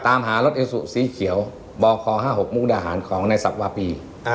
ตามหารถเอสุสีเขียวบค๕๖มุกดาหารของในสับวาปี